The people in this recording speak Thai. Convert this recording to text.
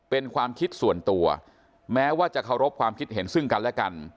เป็นความคิดส่วนตัวแม้ว่าจะเคารพความคิดเห็นซึ่งกันและกัน